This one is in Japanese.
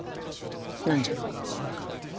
何じゃ。